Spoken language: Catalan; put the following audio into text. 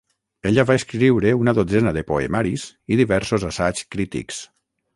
Ella va escriure una dotzena de poemaris i diversos assaigs crítics.